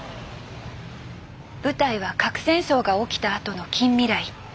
舞台は核戦争が起きたあとの近未来。